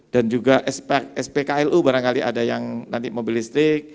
dan juga spklu barangkali ada yang nanti mobil listrik